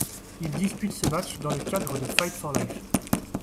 Il dispute ce match dans le cadre de Fight for life.